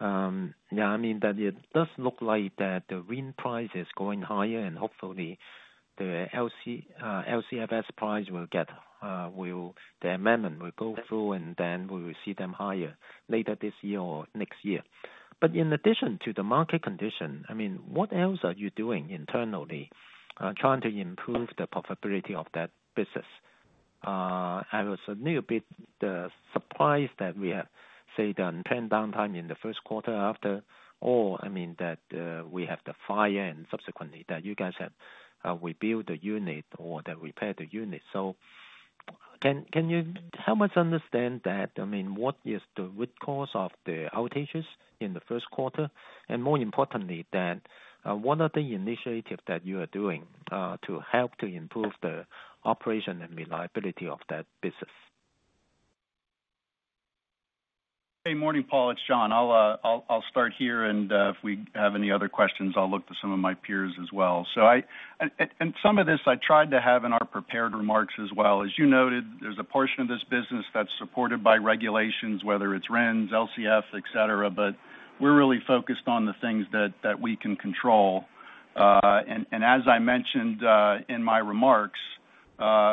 Yeah, I mean it does look like that the RIN price is going higher and hopefully the LCFS price will get. The amendment will go through and then we will see them higher later this year or next year. In addition to the market condition, I mean, what else are you doing internally trying to improve the profitability of that business? I was a little bit surprised that we have, say, the trend downtime in the first quarter. After all, I mean that we have the fire and subsequently that you guys have rebuilt the unit or that repaired the unit. Can you help us understand that? I mean, what is the root cause of the outages in the first quarter and more importantly than one of the initiatives that you are doing to help to improve the operation and reliability of that business? Hey, morning Paul, it's John. I'll start here and if we have any other questions, I'll look to some of my peers as well. Some of this I tried to have in our prepared remarks as well. As you noted, there's a portion of this business that's supported by regulations, whether it's RINs, LCFS, export, et cetera. We're really focused on the things that we can control. As I mentioned in my remarks,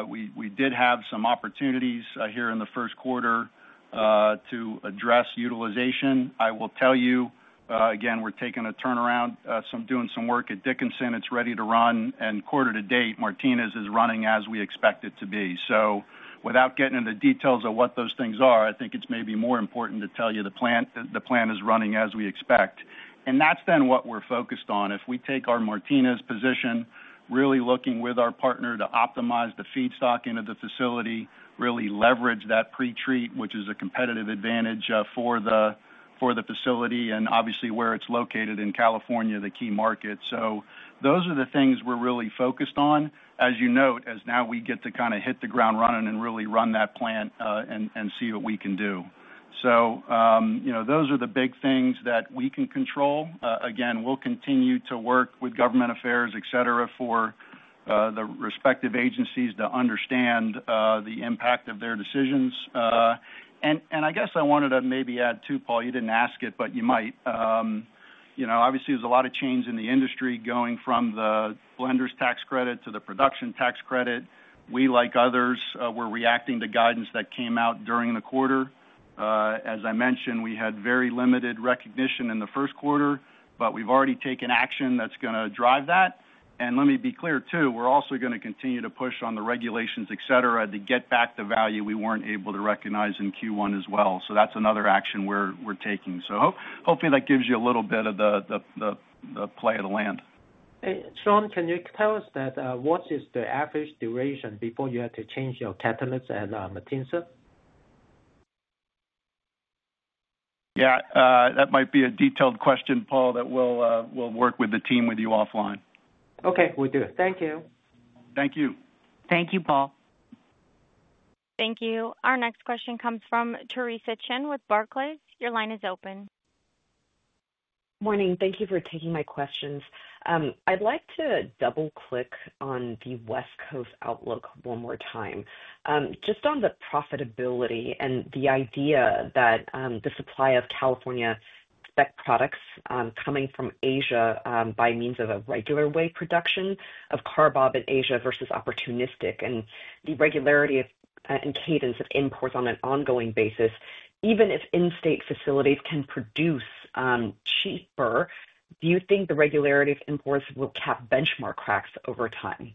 we did have some opportunities here in the first quarter to address utilization. I will tell you again, we're taking a turnaround doing some work at Dickinson. It's ready to run and quarter to date, Martinez is running as we expect it to be. Without getting into the details of what those things are, I think it's maybe more important to tell you the plant is running as we expect. That is then what we're focused on. If we take our Martinez position, really looking with our partner to optimize the feedstock into the facility, really leverage that pre-treat, which is a competitive advantage for the facility and obviously where it's located in California, the key market. Those are the things we're really focused on. As you note, as now we get to kind of hit the ground running and really run that plant and see what we can do. You know, those are the big things that we can control. Again, we'll continue to work with government affairs, et cetera, for the respective agencies to understand the impact of their decisions. I guess I wanted to maybe add too, Paul, you didn't ask it, but you might. You know, obviously there's a lot of change in the industry going from the lenders tax credit to the production tax credit. We, like others, were reacting to guidance that came out during the quarter. As I mentioned, we had very limited recognition in the first quarter, but we've already taken action that's going to drive that. Let me be clear too, we're also going to continue to push on the regulations, et cetera, to get back the value we weren't able to recognize in Q1 as well. That is another action we're taking. Hopefully that gives you a little bit of the play of the land. John, can you tell us what is the average duration before you have to change your catalyst at Martinez? Yeah, that might be a detailed question, Paul, that we'll work with the team with you offline. Okay, we do. Thank you. Thank you. Thank you, Paul. Thank you. Our next question comes from Theresa Chen with Barclays. Your line is open. Morning. Thank you for taking my questions. I'd like to double click on the West Coast outlook one more time just on the profitability and the idea that the supply of California spec products coming from Asia by means of a regular way production of CARBOB in Asia versus opportunistic and the regularity and cadence of imports on an ongoing basis even if in-state facilities can produce cheaper, do you think the regularity of imports will cap benchmark cracks over time?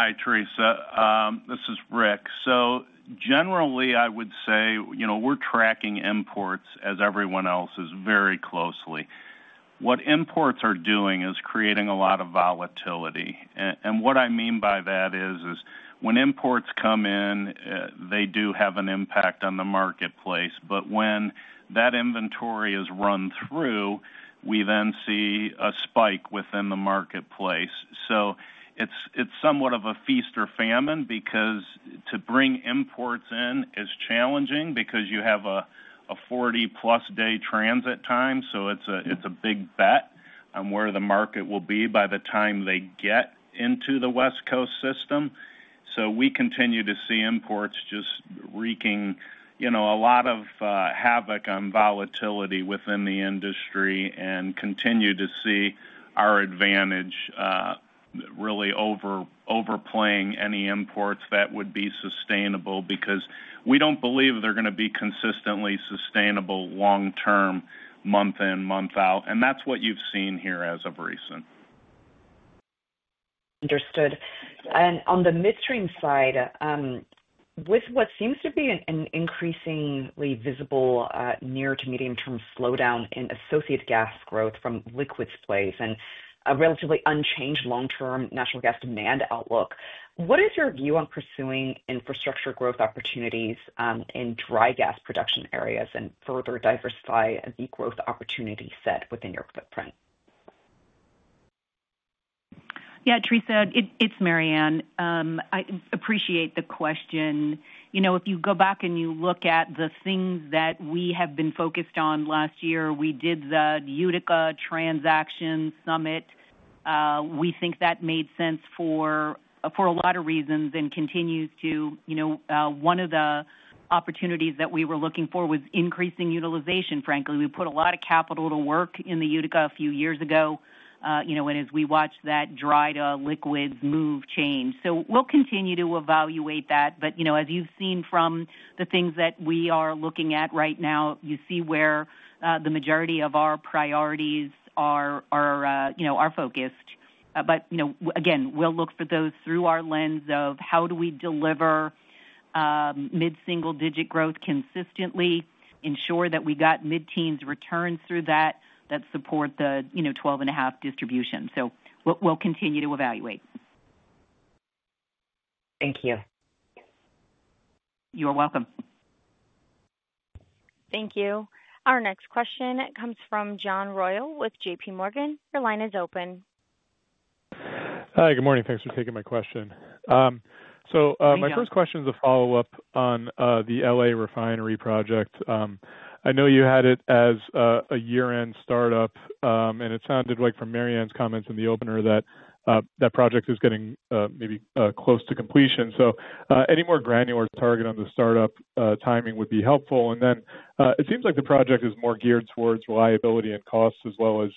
Hi Theresa, this is Rick. Generally I would say, you know, we're tracking imports as everyone else is very closely. What imports are doing is creating a lot of volatility. What I mean by that is when imports come in, they do have an impact on the marketplace. When that inventory is run through, we then see a spike within the marketplace. It's somewhat of a feast or famine because to bring imports in is challenging because you have a 40+ day transit time. It's a big bet on where the market will be by the time they get into the West Coast system. We continue to see imports just wreaking a lot of havoc on volatility within the industry and continue to see our advantage really overplaying any imports that would be sustainable because we do not believe they are going to be consistently sustainable long term, month in, month out. That is what you have seen here as of recent. Understood and on the midstream side with what seems to be an increasingly visible near to medium term slowdown in associated gas growth from liquids plays and a relatively unchanged long term natural gas demand outlook, what is your view on pursuing infrastructure growth opportunities in dry gas production areas and further diversify the growth opportunity set within your footprint? Yeah, Theresa, it's Maryann. I appreciate the question. You know if you go back and you look at the things that we have been focused on, last year we did the Utica Transaction Summit. We think that made sense for, for a lot of reasons and continues to. You know one of the opportunities that we were looking for was increasing utilization. Frankly we put a lot of capital to work in the Utica a few years ago, you know and as we watched that dry to liquids move change. We'll continue to evaluate that. You know, as you've seen from the things that we are looking at right now, you see where the majority of our priorities are focused. Again, we'll look for those through our lens of how do we deliver mid single digit growth. Consistently ensure that we got mid teens returns through that that support the 12.5 distribution. We'll continue to evaluate. Thank you. You are welcome. Thank you. Our next question comes from John Royall with JPMorgan. Your line is open. Hi, good morning. Thanks for taking my question. My first question is a follow up on the L.A. refinery project. I know you had it as a year-end startup and it sounded like from Maryann's comments in the opener that that project is getting maybe close to completion. Any more granular target on the startup timing would be helpful. It seems like the project is more geared towards reliability and costs as well as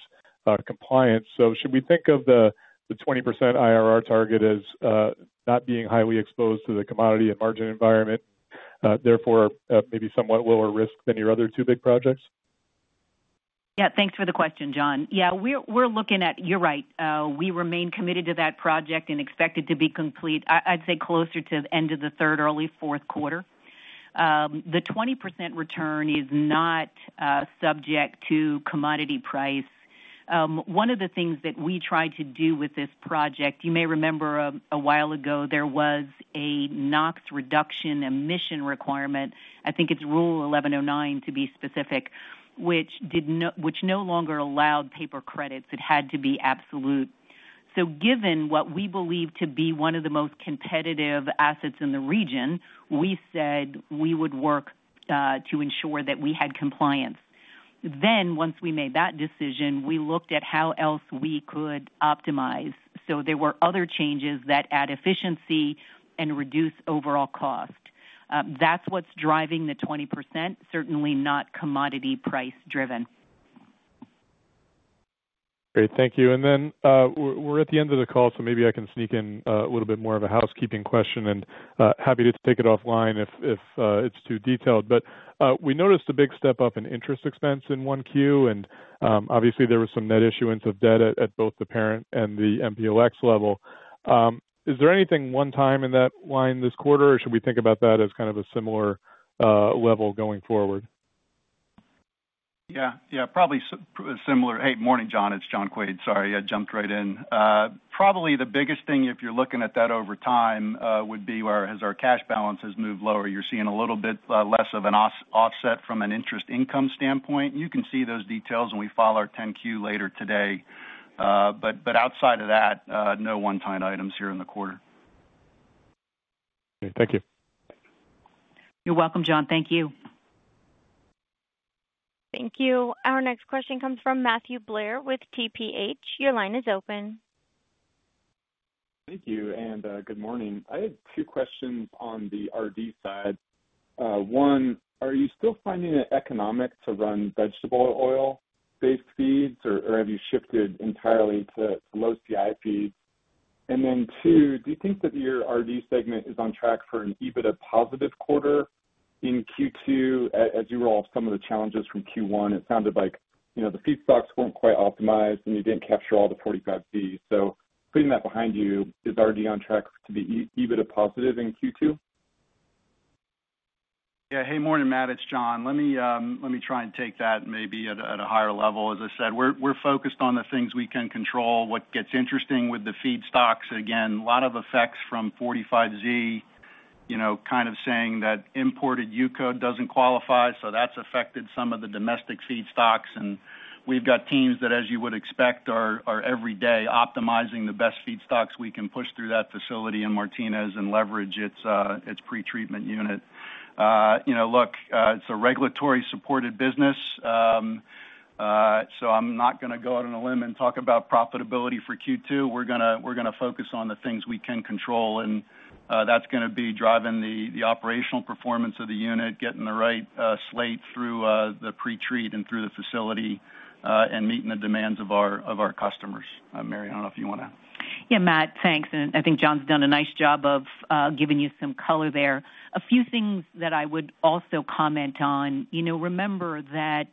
compliance. Should we think of the 20% IRR target as not being highly exposed to the commodity and margin environment, therefore maybe somewhat lower risk than your other two big projects. Yeah, thanks for the question, John. Yeah, we're looking at. You're right. We remain committed to that project and expect it to be complete, I'd say closer to end of the third, early fourth quarter. The 20% return is not subject to commodity price. One of the things that we tried to do with this project, you may remember a while ago there was a NOx reduction emission requirement. I think it's Rule 1109 to be specific, which no longer allowed paper credits. It had to be absolute. Given what we believe to be one of the most competitive assets in the region, we said we would work to ensure that we had compliance. Once we made that decision, we looked at how else we could optimize. There were other changes that add efficiency and reduce overall cost. That's what's driving the 20%. Certainly not commodity price driven. Great, thank you. We're at the end of the call, so maybe I can sneak in a little bit more of a housekeeping question. Happy to take it offline if it's too detailed, but we noticed a big step up in interest expense in Q1 and obviously there was some net issuance of debt at both the parent and the MPLX level. Is there anything one time in that line this quarter or should we think about that as kind of a similar level going forward? Yeah, probably similar. Hey, morning, John, it's John Quaid. Sorry I jumped right in. Probably the biggest thing if you're looking at that over time would be as our cash balance has moved lower, you're seeing a little bit less of an offset from an interest income standpoint. You can see those details when we file our 10Q later today. Outside of that, no one time items here in the quarter. Thank you. You're welcome, John. Thank you. Thank you. Our next question comes from Matthew Blair with TPH. Your line is open. Thank you and good morning. I had two questions on the RD side. One, are you still finding it economic to run vegetable oil based feeds or have you shifted entirely to low CI feeds? Two, do you think that your RD segment is on track for an EBITDA positive quarter in Q2? As you roll off some of the challenges from Q1, it sounded like the feedstocks were not quite optimized and you did not capture all the 45Z credits. Putting that behind you, is RD on track to be EBITDA positive in Q2? Yeah. Hey, morning Matt, it's John. Let me try and take that maybe at a higher level. As I said, we're focused on the things we can control. What gets interesting with the feedstocks, again, a lot of effects from 45Z, you know, kind of saying that imported UCO doesn't qualify. That's affected some of the domestic feedstocks and we've got teams that, as you would expect, are every day optimizing the best feedstocks we can push through that facility in Martinez and leverage its pre treatment unit. You know, look, it's a regulatory supported business. I'm not going to go out on a limb and talk about profitability for Q2. We're going to focus on the things we can control. That's going to be driving the operational performance of the unit. Getting the right slate through the pre treat and through the facility and meeting the demands of our customers. Maryann, I don't know if you want to. Yeah, Matt, thanks. I think John's done a nice job of giving you some color there. A few things that I would also comment on. You know, remember that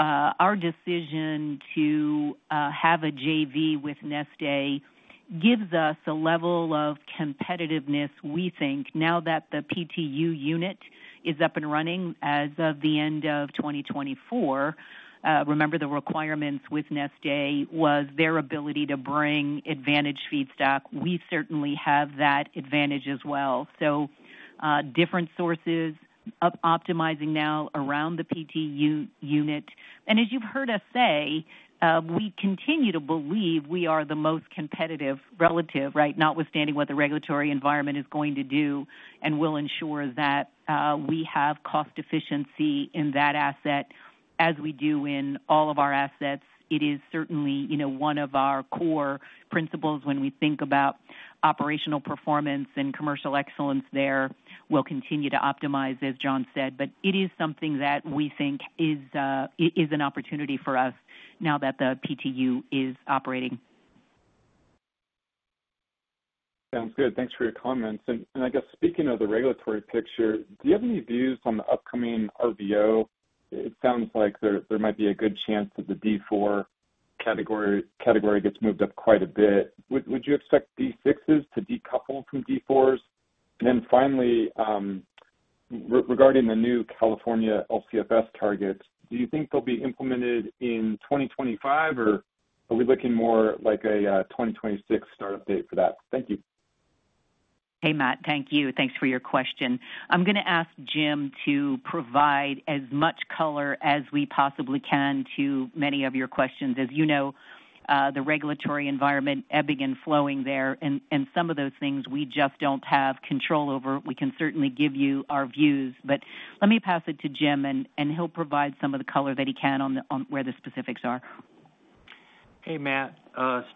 our decision to have a JV with Neste gives us a level of competitiveness. We think now that the PTU unit is up and running as of the end of 2024. Remember, the requirements with Neste was their ability to bring advantage feedstock. We certainly have that advantage as well. Different sources optimizing now around the PT unit. As you've heard us say, we continue to believe we are the most competitive relative. Right. Notwithstanding what the regulatory environment is going to do and will ensure that we have cost efficiency in that asset as we do in all of our assets. It is certainly one of our core principles. When we think about operational performance and commercial excellence, there will continue to optimize, as John said. It is something that we think is an opportunity for us now that the PTU is operating. Sounds good. Thanks for your comments. I guess speaking of the regulatory picture, do you have any views on the upcoming RVO? It sounds like there might be a good chance that the D4 category gets moved up quite a bit. Would you expect D6s to decouple from D4s? Finally, regarding the new California LCFS targets, do you think they'll be implemented in 2025 or are we looking more like a 2026 startup date for that? Thank you. Hey Matt, thank you. Thanks for your question. I'm going to ask Jim to provide as much color as we possibly can to many of your questions. As you know, the regulatory environment ebbing and flowing there and some of those things we just don't have control over. We can certainly give you our views, but let me pass it to Jim and he'll provide some of the color that he can on where the specifics are. Hey, Matt.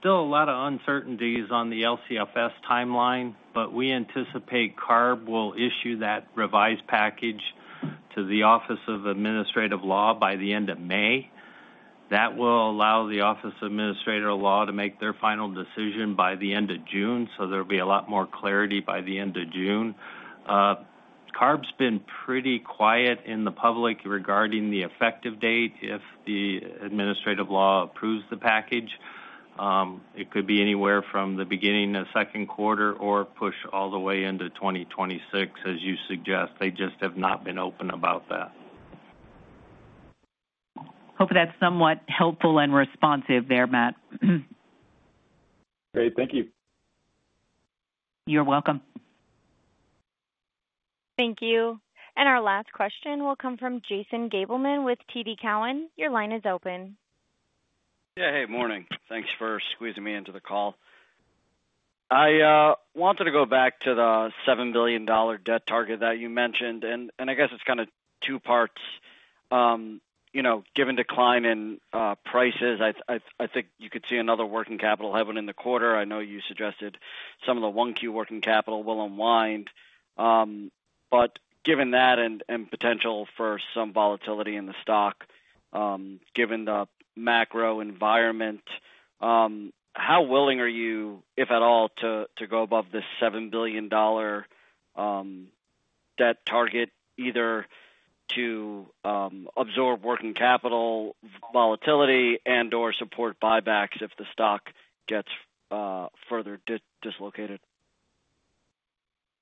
Still a lot of uncertainties on the LCFS timeline, but we anticipate CARB will issue that revised package to the Office of Administrative Law by the end of May. That will allow the Office of Administrative Law to make their final decision by the end of June. There will be a lot more clarity by the end of June. CARB's been pretty quiet in the public regarding the effective date. If the Office of Administrative Law approves the package, it could be anywhere from the beginning of second quarter or push all the way into 2026 as you suggest. They just have not been open about that. Hope that's somewhat helpful and responsive there, Matt. Great. Thank you. You're welcome. Thank you. Our last question will come from Jason Gableman with TD Cowen. Your line is open. Yeah. Hey, morning. Thanks for squeezing me into the call. I wanted to go back to the $7 billion debt target that you mentioned and I guess it's kind of two parts. You know, given decline in prices, I think you could see another working capital headwind in the quarter. I know you suggested some of the 1Q working capital will unwind, but given that and potential for some volatility in the stock, given the macro environment. How willing are you, if at all, to. Go above this $7 billion debt target either to absorb working capital volatility and or support buybacks if the stock gets further dislocated?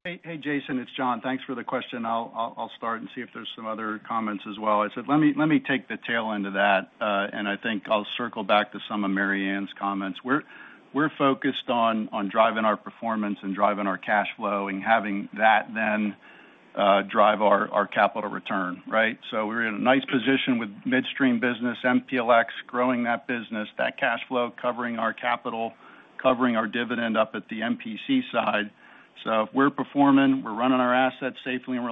Hey, Jason, it's John. Thanks for the question. I'll start and see if there's some other comments as well. I said let me take the tail end of that and I think I'll circle back to some of Maryann's comments. We're focused on driving our performance and driving our cash flow and having that then drive our capital return. Right. We're in a nice position with midstream business MPLX growing that business, that cash flow, covering our capital, covering our dividend up at the MPC side. If we're performing, we're running our assets safely and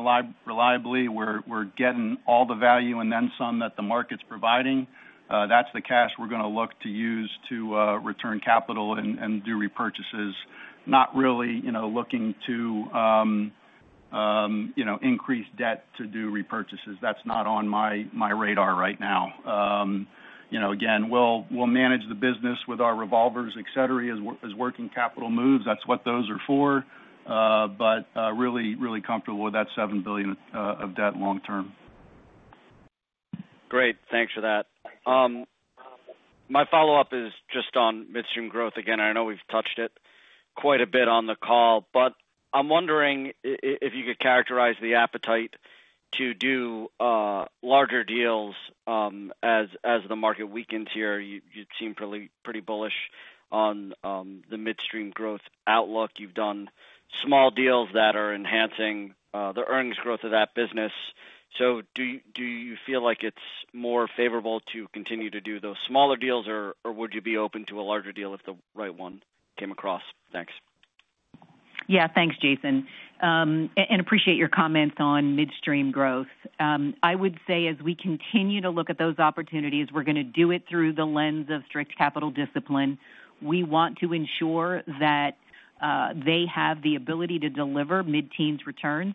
reliably, we're getting all the value and then some that the market providing, that's the cash we're going to look to use to return capital and do repurchases. Not really, you know, looking to, you know, increase debt to do repurchases. That's not on my radar right now. Again, we'll manage the business with our revolvers, etc. as working capital moves. That's what those are for. Really, really comfortable with that $7 billion of that long term. Great. Thanks for that. My follow up is just on midstream growth again. I know we've touched it quite a bit on the call, but I'm wondering if you could characterize the appetite to do larger deals as the market weakens here. You seem pretty bullish on the midstream growth outlook. You've done small deals that are enhancing the earnings growth of that business. Do you feel like it's more favorable to continue to do those smaller deals or would you be open to a larger deal if the right one came across? Thanks. Yeah, thanks Jason and appreciate your comments on midstream growth. I would say as we continue to look at those opportunities, we're going to do it through the lens of strict capital discipline. We want to ensure that they have the ability to deliver mid teens returns,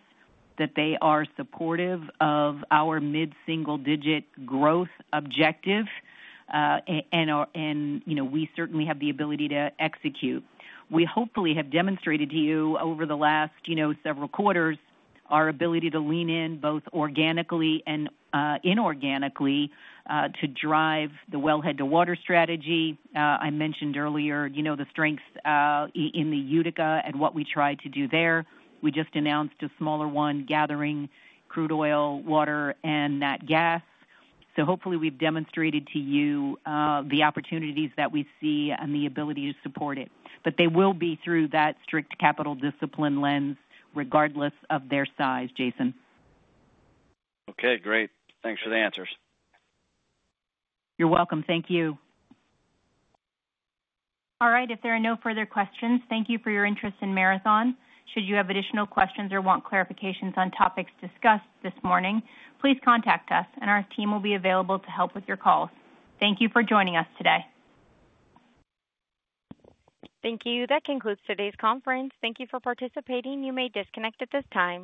that they are supportive of our mid single digit growth objective and we certainly have the ability to execute. We hopefully have demonstrated to you over the last several quarters our ability to lean in both organically and inorganically to drive the wellhead to water strategy I mentioned earlier. You know, the strength in the Utica and what we try to do there. We just announced a smaller one gathering crude oil, water and nat gas. Hopefully we've demonstrated to you the opportunities that we see and the ability to support it. They will be through that strict capital discipline lens regardless of their size. Jason. Okay, great. Thanks for the answers. You're welcome. Thank you. All right, if there are no further questions, thank you for your interest in Marathon. Should you have additional questions or want clarifications on topics discussed this morning, please contact us and our team will be available to help with your calls. Thank you for joining us today. Thank you. That concludes today's conference. Thank you for participating. You may disconnect at this time.